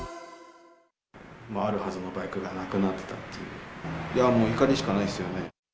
あるはずのバイクがなくなってたっていう、もう怒りしかないですよね。